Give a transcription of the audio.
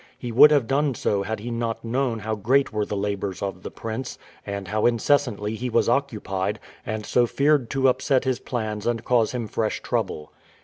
He would have done so had he not known how great were the labours of the prince, and how incessantly he was occupied, and so feared to upset his plans and cause him fresh trouble.